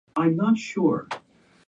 岩手県紫波町